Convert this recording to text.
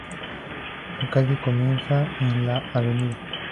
La calle comienza en la Av.